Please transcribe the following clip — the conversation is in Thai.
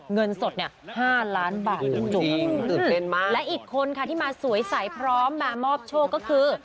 เงินสดเนี่ย๕ล้านบาทตื่นเต้นมากและอีกคนค่ะที่มาสวยใสพร้อมมามอบโชคก็คือ